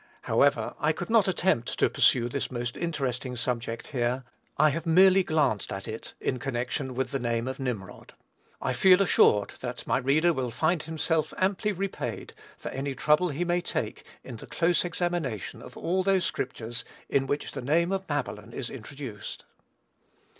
However, I could not attempt to pursue this most interesting subject here: I have merely glanced at it in connection with the name of Nimrod. I feel assured that my reader will find himself amply repaid for any trouble he may take in the close examination of all those scriptures in which the name of Babylon is introduced.